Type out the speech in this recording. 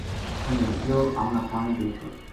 اُنھ نے کہیو:” ہمنا پانی دے چھڑ